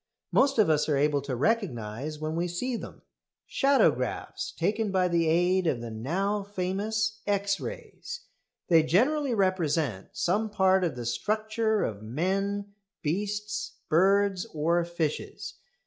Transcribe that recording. Most of us are able to recognise when we see them shadowgraphs taken by the aid of the now famous X rays. They generally represent some part of the structure of men, beasts, birds, or fishes.